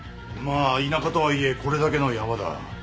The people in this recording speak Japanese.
まあ田舎とはいえこれだけの山だ。